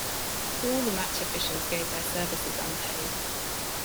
All the match officials gave their services unpaid.